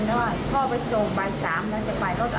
แม่บอกพูดไม่ออกให้หนึ่งหลานพูด